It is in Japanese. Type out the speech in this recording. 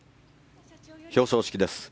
表彰式です。